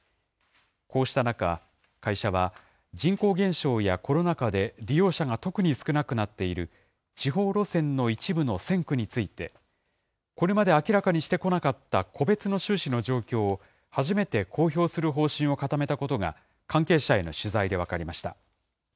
こうした中、会社は、人口減少やコロナ禍で利用者が特に少なくなっている地方路線の一部の線区について、これまで明らかにしてこなかった個別の収支の状況を初めて公表する方針を固めたことが関係者への取材で分かりました。